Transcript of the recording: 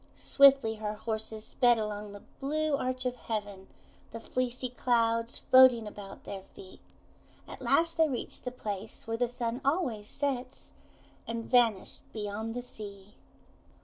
Swiftly her horses sped along the blue arch of heaven, the fleecy clouds floating about their feet. At last they reached the place where the Sun always sets, and vanished beyond the sea.